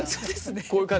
こういう感じ。